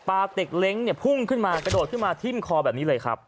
เต็กเล้งเนี่ยพุ่งขึ้นมากระโดดขึ้นมาทิ้มคอแบบนี้เลยครับ